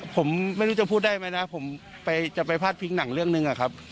ผมไม่รู้จะพูดได้ไหมนะผมจะไปพาดพิงหนังเรื่องหนึ่งอะครับ